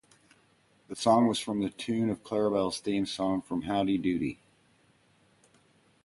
The song was the tune of Clarabell's theme song from "Howdy Doody".